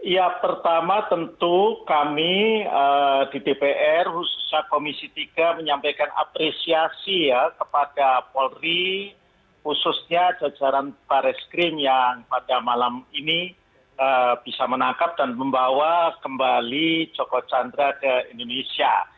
ya pertama tentu kami di dpr khususnya komisi tiga menyampaikan apresiasi ya kepada polri khususnya jajaran baris krim yang pada malam ini bisa menangkap dan membawa kembali joko chandra ke indonesia